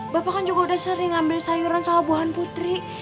bapak kan juga udah sering ambil sayuran sama buahan putri